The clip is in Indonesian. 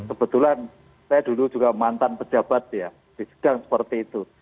kebetulan saya dulu juga mantan pejabat ya di sedang seperti itu